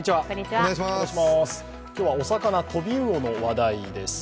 今日はお魚、飛び魚の話題です。